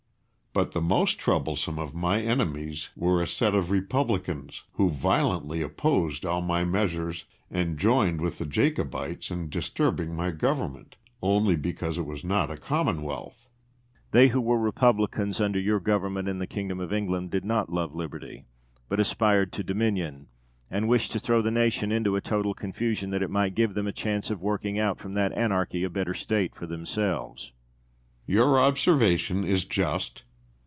But the most troublesome of my enemies were a set of Republicans, who violently opposed all my measures, and joined with the Jacobites in disturbing my government, only because it was not a commonwealth. De Witt. They who were Republicans under your government in the Kingdom of England did not love liberty, but aspired to dominion, and wished to throw the nation into a total confusion, that it might give them a chance of working out from that anarchy a better state for themselves. William. Your observation is just.